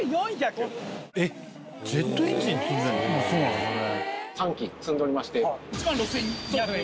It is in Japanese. ⁉そうなんですよね。